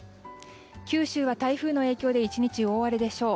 九州は台風の影響で１日大荒れでしょう。